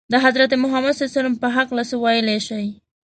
د حضرت محمد ﷺ په هکله څه ویلای شئ؟